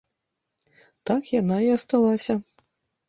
Так яна і асталася.